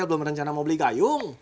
istri kau yang memiliki uang